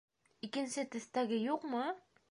Икенсе төҫтәге юҡмы?